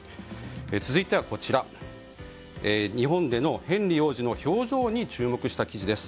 続いて日本でのヘンリー王子の表情に注目した記事です。